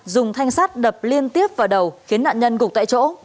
dùng thanh sắt đập liên tiếp vào đầu khiến nạn nhân gục tại chỗ